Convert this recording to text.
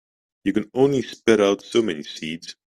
You can only spit out so many seeds.